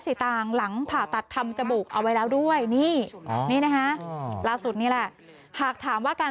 ต่างหลังผ่าตัดทำจมูกเอาไว้แล้วด้วยนี่นี่นะคะล่าสุดนี่แหละหากถามว่าการ